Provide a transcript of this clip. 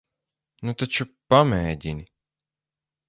Nu taču, pamēģini.